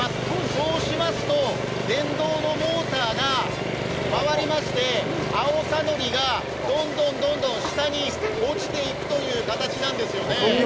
そうしますと、電動のモーターが回りまして青さのりが、どんどん下に落ちていくという形なんですよね。